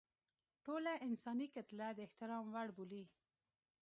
ټوله انساني کتله د احترام وړ بولي.